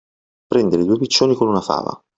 Prendere due piccioni con una fava.